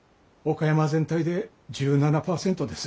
岡山全体で１７％です。